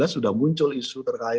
sudah muncul isu terkait